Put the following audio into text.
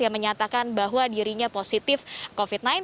yang menyatakan bahwa dirinya positif covid sembilan belas